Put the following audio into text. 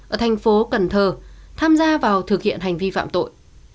ở thành phố cần thơ tham gia vào thực hiện hành vi phạm tội